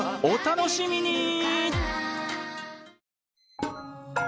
お楽しみに！